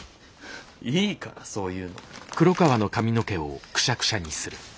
いいからそういうの。